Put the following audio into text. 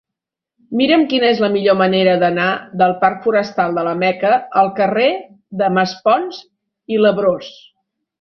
Mira'm quina és la millor manera d'anar del parc Forestal de la Meca al carrer de Maspons i Labrós.